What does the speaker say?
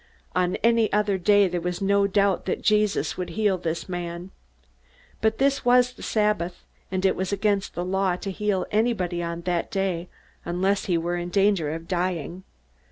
On any other day there was no doubt that Jesus would heal this man. But this was the Sabbath, and it was against the Law to heal anybody on that day unless he were in danger of dying.